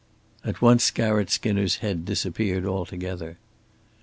At once Garratt Skinner's head disappeared altogether.